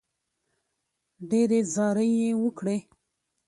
ډېرې زارۍ یې وکړې.